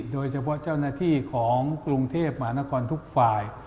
โดยเฉพาะเจ้าหน้าที่ของกรุงเทพมหานครทุกฝ่าย